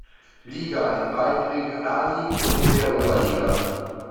Liga, in beiden Regionalligen und in der Oberliga.